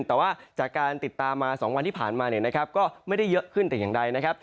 แต่ว่าจากติดตามมา๒วันที่ผ่านมาก็มันไม่ได้เยอะขึ้นอย่างไรนะครับ